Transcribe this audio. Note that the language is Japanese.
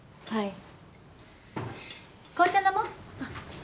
はい！